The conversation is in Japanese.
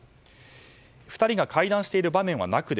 ２人が会談している場面はなく